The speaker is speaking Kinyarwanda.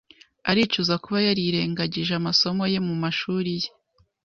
Aricuza kuba yarirengagije amasomo ye mumashuri ye.